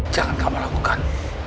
jangan kamu lakukan